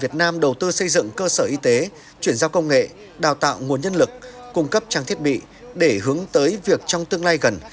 việt nam đầu tư xây dựng cơ sở y tế chuyển giao công nghệ đào tạo nguồn nhân lực cung cấp trang thiết bị để hướng tới việc trong tương lai gần